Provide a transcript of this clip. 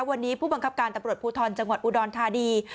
วันนี้ผู้บังคับการตำรวจภูทรจังหวัดอุดรธานี